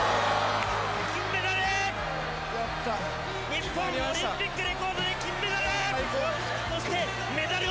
日本、オリンピックレコードで金メダル！